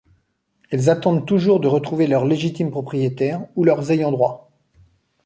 Elles attendent toujours de retrouver leurs légitimes propriétaires ou leurs ayants-droit.